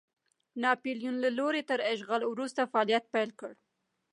ناپلیون له لوري تر اشغال وروسته فعالیت پیل کړ.